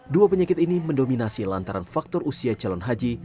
dua penyakit ini mendominasi lantaran faktor usia calon haji